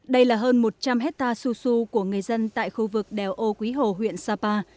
đây là hơn một trăm linh hectare susu của người dân tại khu vực đèo ô quý hồ huyện sapa